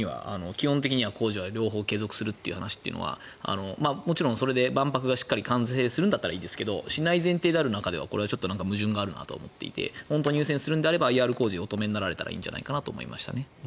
基本的には工事は両方継続するという話はもちろんそれで万博がしっかり完成するならいいですがしない前提である中では矛盾があるなと思っていて本当に優先するならＩＲ工事をお止めになればいいと思いますね。